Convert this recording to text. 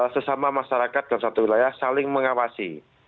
sesama masyarakat dan satu wilayah saling mengawasi